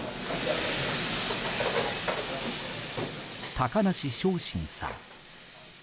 高梨正信さん。